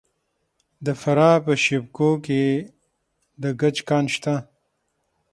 د فراه په شیب کوه کې د ګچ کان شته.